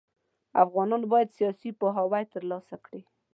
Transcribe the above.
افغانان بايد سياسي پوهاوی ترلاسه کړي.